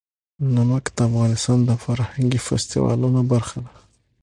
نمک د افغانستان د فرهنګي فستیوالونو برخه ده.